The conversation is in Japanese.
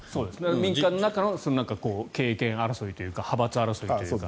民間の中の経営権争いというか派閥争いというか。